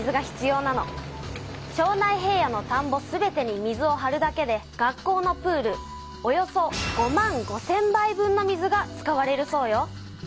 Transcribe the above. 庄内平野のたんぼ全てに水をはるだけで学校のプールおよそ５万５，０００杯分の水が使われるそうよ。